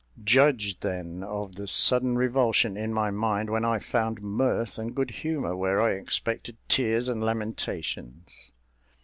Judge, then, of the sudden revulsion in my mind, when I found mirth and good humour where I expected tears and lamentations.